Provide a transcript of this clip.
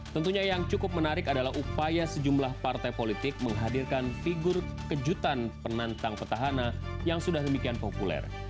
tentunya yang cukup menarik adalah upaya sejumlah partai politik menghadirkan figur kejutan penantang petahana yang sudah demikian populer